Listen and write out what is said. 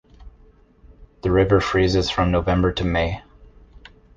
The river freezes from November to May.